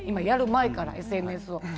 やる前から、ＳＮＳを。